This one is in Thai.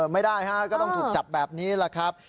ไม่ได้ฮะก็ต้องถูกจับแบบนี้แหละครับ